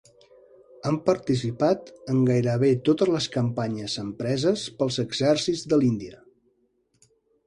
Han participat en gairebé totes les campanyes empreses pels exèrcits de l'Índia.